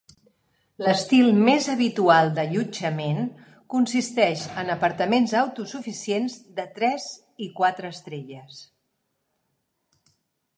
L'estil més habitual d'allotjament consisteix en apartaments autosuficients de tres i quatre estrelles.